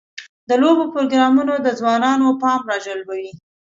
د لوبو پروګرامونه د ځوانانو پام راجلبوي.